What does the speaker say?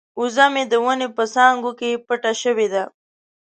وزه مې د ونې په څانګو کې پټه شوې ده.